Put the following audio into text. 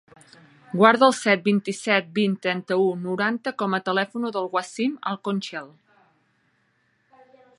Guarda el set, vint-i-set, vint, trenta-u, noranta com a telèfon del Wasim Alconchel.